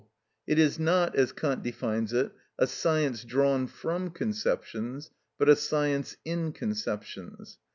It is not, as Kant defines it, a science drawn from conceptions, but a science in conceptions.